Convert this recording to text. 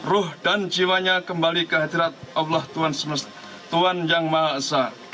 ruh dan jiwanya kembali ke hadirat allah tuhan yang maha esa